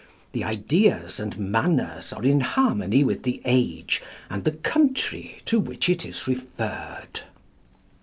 The ideas and manners are in harmony with the age and the country to which it is referred."